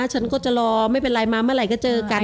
ฉันก็จะรอไม่เป็นไรมาเมื่อไหร่ก็เจอกัน